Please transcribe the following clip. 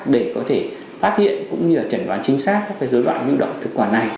để có thể phát hiện cũng như là chẩn đoán chính xác các dối loạn lưu động thực quản này